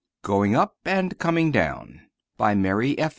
GOING UP AND COMING DOWN BY MARY F.